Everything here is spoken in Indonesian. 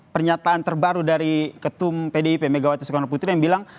pernyataan terbaru dari ketum pdip megawati soekarno putri yang bilang